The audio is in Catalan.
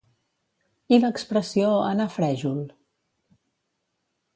I l'expressió anar frèjol?